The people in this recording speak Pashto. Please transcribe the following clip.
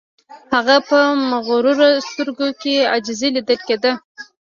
د هغه په مغرورو سترګو کې عاجزی لیدل کیده